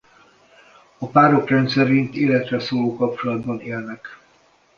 A párok rendszerint életre szóló kapcsolatban élnek.